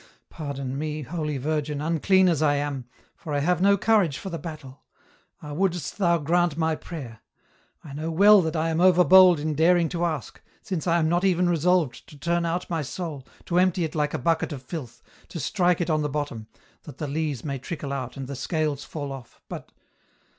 Pardon me, Holy Virgin, unclean as I am, for I have no courage for the battle. Ah, wouldest thou grant my prayer ! I know well that I am over bold in daring to ask, since I am not even resolved to turn out my soul, to empty it like a bucket of filth, to strike it on the bottom, that the lees may trickle out and the scales fall oif, but